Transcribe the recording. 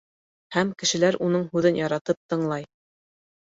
Һәм кешеләр уның һүҙен яратып тыңлай.